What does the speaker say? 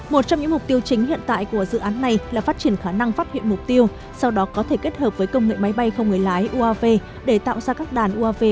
một trong những mục tiêu chính hiện tại của dự án này là phát triển khả năng phát hiện mục tiêu sau đó có thể kết hợp với công nghệ máy bay không người lái để tạo ra các đàn uav cảm tử tự động có thể tìm kiếm và tiêu diệt mục tiêu của kẻ thù